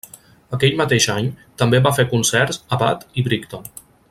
Aquell mateix any també va fer concerts a Bath i Brighton.